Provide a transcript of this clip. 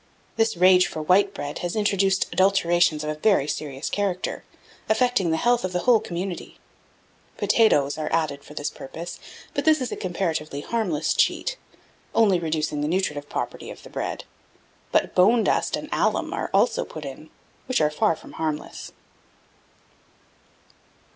This rage for white bread has introduced adulterations of a very serious character, affecting the health of the whole community. Potatoes are added for this purpose; but this is a comparatively harmless cheat, only reducing the nutritive property of the bread; but bone dust and alum are also put in, which are far from harmless.